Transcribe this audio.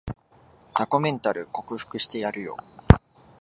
雑魚メンタル克服してやるよ